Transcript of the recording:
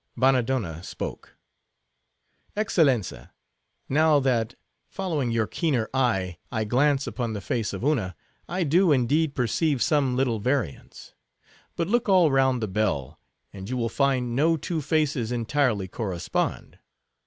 Bannadonna spoke: "Excellenza, now that, following your keener eye, I glance upon the face of Una, I do, indeed perceive some little variance. But look all round the bell, and you will find no two faces entirely correspond.